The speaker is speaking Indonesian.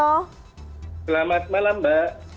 selamat malam mbak